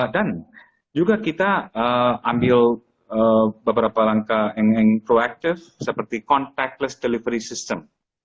dan juga kita ambil beberapa langkah yang proactive seperti contactless delivery system